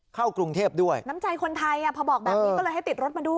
เข้ากรุงเทพด้วยน้ำใจคนไทยอ่ะพอบอกแบบนี้ก็เลยให้ติดรถมาด้วย